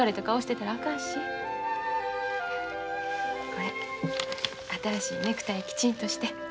これ新しいネクタイきちんとして。